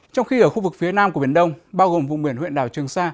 trong khi ở khu vực phía nam của biển đông bao gồm vùng biển huyện đảo trường sa